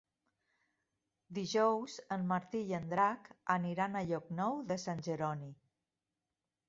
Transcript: Dijous en Martí i en Drac aniran a Llocnou de Sant Jeroni.